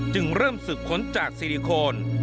จึงเริ่มสืบค้นจากซิลิโคน